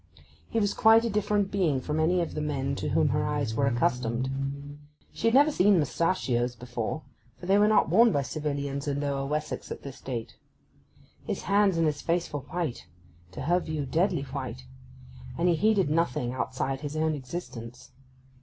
He was quite a different being from any of the men to whom her eyes were accustomed. She had never seen mustachios before, for they were not worn by civilians in Lower Wessex at this date. His hands and his face were white—to her view deadly white—and he heeded nothing outside his own existence.